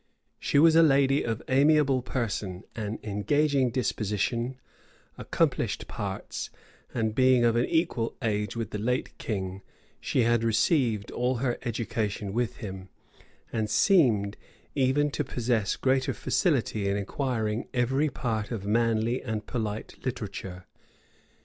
[] She was a lady of an amiable person, an engaging disposition, accomplished parts; and being of an equal age with the late king, she had received all her education with him, and seemed even to possess greater facility in acquiring every part of manly and polite literature.